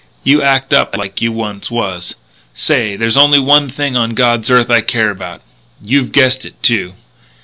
"You act up like you once was.... Say; there's only one thing on God's earth I care about. You've guessed it, too."